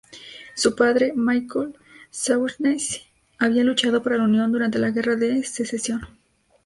Su padre, Michael Shaughnessy, había luchado para la Unión durante la Guerra de Secesión.